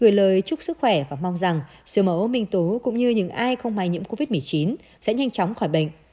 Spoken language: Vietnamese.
gửi lời chúc sức khỏe và mong rằng siêu mẫu minh tú cũng như những ai không may nhiễm covid một mươi chín sẽ nhanh chóng khỏi bệnh